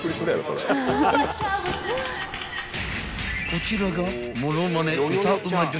［こちらが］